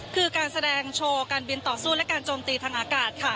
คือการแสดงโชว์การบินต่อสู้และการโจมตีทางอากาศค่ะ